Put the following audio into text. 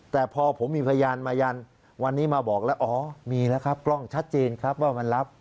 แต่พอผมมีพยานมายันวันนี้มาบอกแล้วอ๋อมีแล้วครับกล้องชัดเจนครับว่ามันรับ